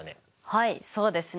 はいそうですね。